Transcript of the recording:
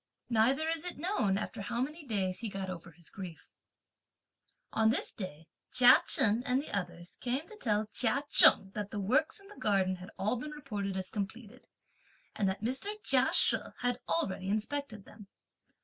Neither is it known after how many days he got over his grief. On this day, Chia Chen and the others came to tell Chia Cheng that the works in the garden had all been reported as completed, and that Mr. Chia She had already inspected them.